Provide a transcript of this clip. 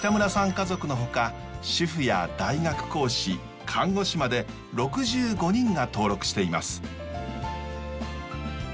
家族のほか主婦や大学講師看護師まで６５人が登録しています。